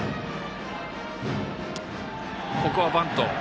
ここはバント。